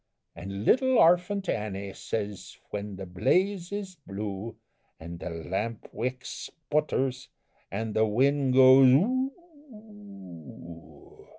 An' little orphant Annie says, when the blaze is blue, An' the lampwick sputters, an' the wind goes woo oo!